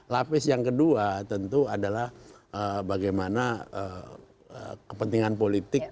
lapis yang kedua tentu adalah bagaimana kepentingan politik